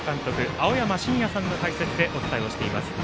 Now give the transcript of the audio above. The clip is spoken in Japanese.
青山眞也さんの解説でお伝えをしています。